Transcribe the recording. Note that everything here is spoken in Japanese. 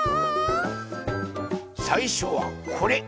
さいしょはこれ。